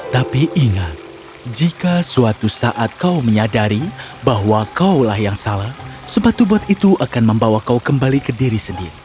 tapi ingat jika suatu saat kau menyadari bahwa kaulah yang salah sepatu buat itu akan membawa kau kembali ke diri sendiri